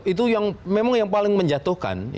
itu yang memang yang paling menjatuhkan